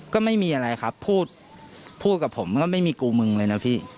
ก็ไม่มีอะไรครับพูดพูดกับผมก็ไม่มีกูมึงเลยนะพี่